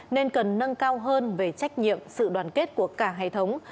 nên cần nâng cao hơn về trách nhiệm sự đoàn kết của cả hệ thống